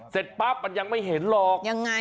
เสร็จปั๊บมันยังไม่เห็นหรอกยังไง